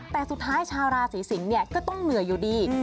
แต่สุดท้ายชาวราศีสิงศ์เนี่ยก็ต้องเหนื่อยอยู่ดี